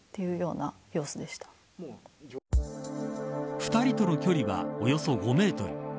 ２人との距離はおよそ５メートル。